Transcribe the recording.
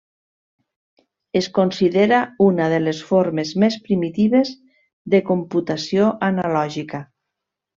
Es considera una de les formes més primitives de computació analògica.